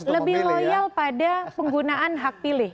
lebih loyal pada penggunaan hak pilih